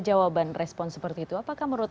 jawaban respon seperti itu apakah menurut